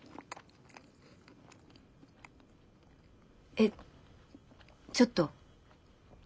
えちょっと。